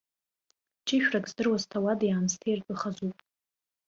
Ҷышәрак здыруаз ҭауади-аамсҭеи ртәы хазуп.